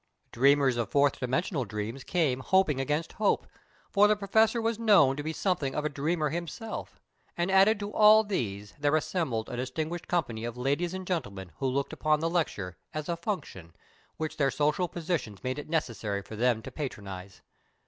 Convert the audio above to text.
Dreamers of Fourth Dimensional dreams came hoping against hope, for the Professor was known to be something of a dreamer himself; and added to all these there assembled a distinguished company of ladies and gentlemen who looked upon the lecture as a "function" which their social positions made it necessary for them to patronise.